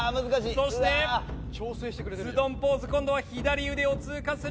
そしてズドンポーズ今度は左腕を通過する。